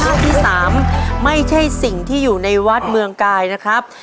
ภาพที่๓ไม่ใช่สิ่งที่อยู่ในวัดเมืองไกรนะครับ